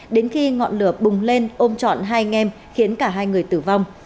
đến khi ngọn lửa bùng lên ôm chọn hai anh em khiến cả hai người tử vong